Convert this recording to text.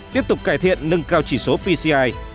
tiếp tục cải thiện nâng cao chỉ số pci